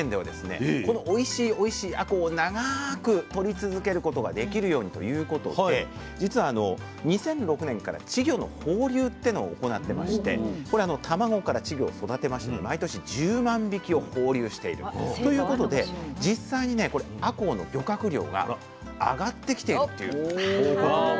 このおいしいおいしいあこうを長くとり続けることができるようにということで実は２００６年から稚魚の放流っていうのを行ってましてこれ卵から稚魚を育てまして毎年１０万匹を放流しているということで実際にねあこうの漁獲量が上がってきているという報告もあるんです。